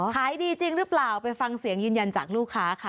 ขายดีจริงหรือเปล่าไปฟังเสียงยืนยันจากลูกค้าค่ะ